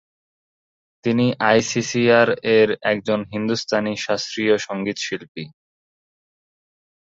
তিনি আইসিসিআর-এর একজন হিন্দুস্তানি শাস্ত্রীয় সংগীত শিল্পী।